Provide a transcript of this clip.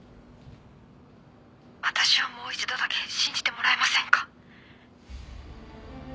「私をもう一度だけ信じてもらえませんか？」